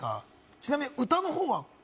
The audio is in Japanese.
ちなみに歌のほうは？